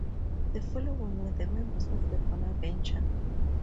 The following were the members for Bonaventure.